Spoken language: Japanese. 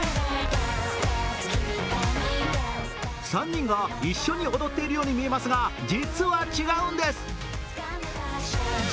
３人が一緒に踊っているように見えますが実は違うんです。